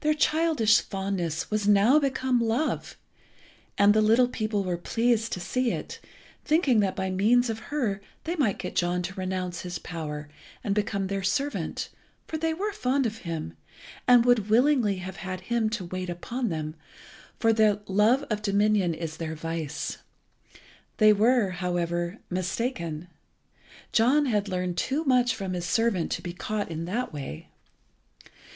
Their childish fondness was now become love, and the little people were pleased to see it, thinking that by means of her they might get John to renounce his power, and become their servant, for they were fond of him, and would willingly have had him to wait upon them, for the love of dominion is their vice. They were, however, mistaken. John had learned too much from his servant to be caught in that way.